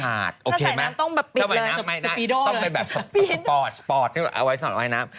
ถ้าใส่น้ำต้องปิดเลยต้องไปแบบสปอร์ตสปอร์ตเอาไว้สนว่ายน้ำ